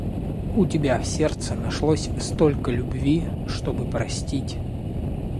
У тебя в сердце нашлось столько любви, чтобы простить...